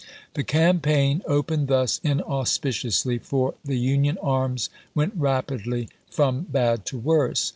The campaign, opened thus inauspiciously for the Union arms, went rapidly from bad to worse.